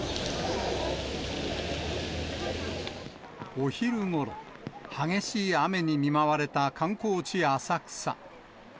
お昼ごろ、激しい雨に見舞われた観光地、浅草。